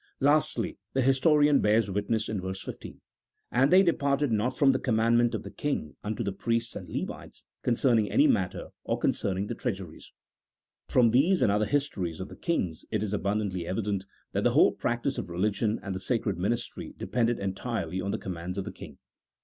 " Lastly, the historian bears witness in verse 15 : "And they departed not from the commandment of the king unto the priests and Levites concerning any matter, or concerning the treasuries.' , From these and other histories of the kings it is abun dantly evident, that the whole practice of religion and the sacred ministry depended entirely on the commands of the king.